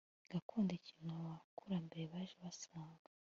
gakondo ikintu abakurambere baje basanga